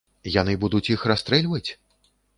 Яны будуць іх расстрэльваць?